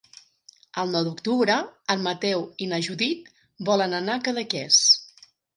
El nou d'octubre en Mateu i na Judit volen anar a Cadaqués.